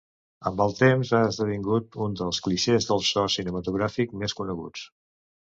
Amb el temps ha esdevingut un dels clixés del so cinematogràfic més coneguts.